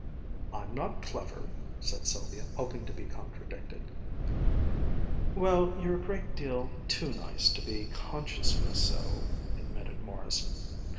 "I'm not clever," said Sylvia, hoping to be contradicted. "Well, you're a great deal too nice to be consciously so," admitted Morrison.